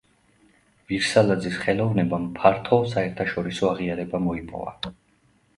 ვირსალაძის ხელოვნებამ ფართო საერთაშორისო აღიარება მოიპოვა.